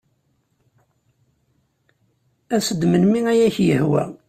As-d melmi ay ak-yehwa.